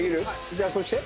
じゃあそうして。